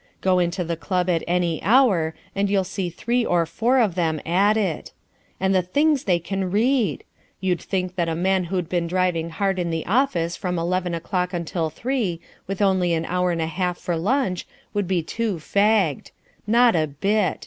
Go into the club at any hour and you'll see three or four of them at it. And the things they can read! You'd think that a man who'd been driving hard in the office from eleven o'clock until three, with only an hour and a half for lunch, would be too fagged. Not a bit.